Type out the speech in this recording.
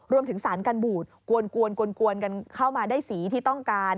รวมถึงสารกันบูดกวนกันเข้ามาได้สีที่ต้องการ